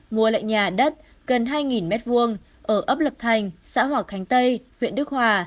mua lại nhà đất gần hai m hai ở ấp lập thành xã hòa khánh tây huyện đức hòa